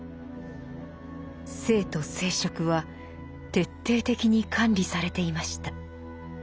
性と生殖は徹底的に管理されていました。